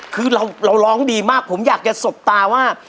คือเราร้องดีมากผมอยากจะสบตาว่า